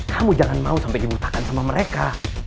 kamu jangan mau sampai dimuntahkan sama mereka